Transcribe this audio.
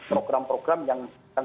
program program yang akan